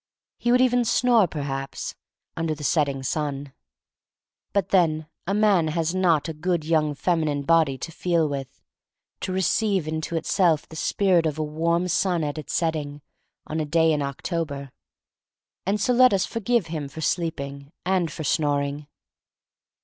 He would even snore, perhaps — under the setting sun. But then, a man has not a good young feminine body to feel with, to receive into itself the spirit of a warm sun at its setting, on a day in October, — and so let us forgive him for sleeping, and for snoring.